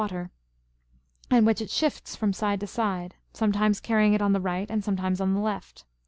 [Eook IX. it shifts from side to side, sometimes carrying it on the right, and sometimes on the left.